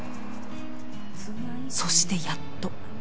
そしてやっと。